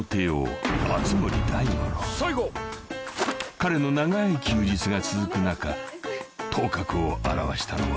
［彼の長い休日が続く中頭角を現したのは］